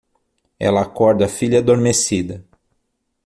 Ela acorda a filha adormecida